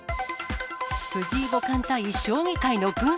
藤井五冠対将棋界の軍曹。